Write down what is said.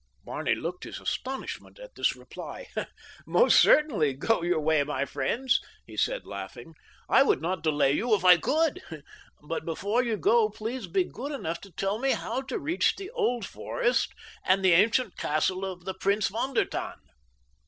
Barney looked his astonishment at this reply. "Most certainly, go your way, my friends," he said laughing. "I would not delay you if I could; but before you go please be good enough to tell me how to reach the Old Forest and the ancient castle of the Prince von der Tann."